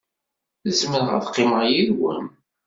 Zemreɣ ad qqimeɣ yid-wen?